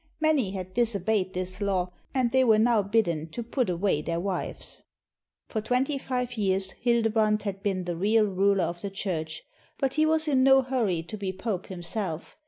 Many had dis obeyed this law, and they were now bidden to put away their wives. For twenty five years Hildebrand had been the real 10 THE STORY OF GREGORY THE GREAT ruler of the Church, but he was in no hurry to be Pope himself.